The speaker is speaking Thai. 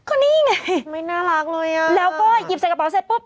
ก็นี่ไงไม่น่ารักเลยอ่ะแล้วก็หยิบใส่กระเป๋าเสร็จปุ๊บ